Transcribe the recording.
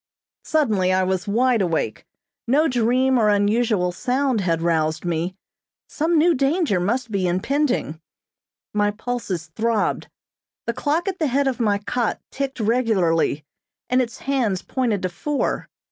Suddenly I was wide awake. No dream or unusual sound had roused me. Some new danger must be impending. My pulses throbbed. The clock at the head of my cot ticked regularly, and its hands pointed to four.